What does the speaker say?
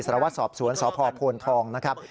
สลวัสดิ์สอบสวนสพทองนะครับ